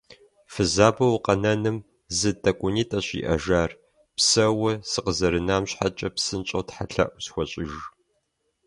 Фызабэу укъэнэным зы тӀэкӀунитӀэщ иӀэжар, псэууэ сыкъызэрынам щхьэкӀэ псынщӀэу тхьэлъэӀу схуэщӀыж.